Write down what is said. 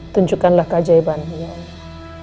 tunjukkanlah keajaibanmu ya allah